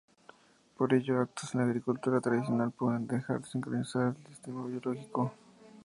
Por ello actos en la agricultura tradicional pueden dejar de sincronizar el sistema biológico.